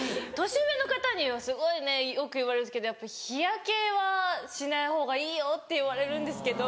年上の方にはすごいねよく言われるんですけど日焼けはしないほうがいいよって言われるんですけど。